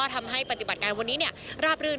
ทำให้ปฏิบัติการวันนี้ราบรื่น